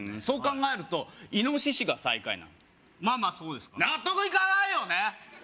そう考えるとイノシシが最下位なのまあまあそうですかね納得いかないよね